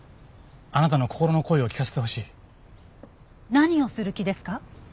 何をする気ですか？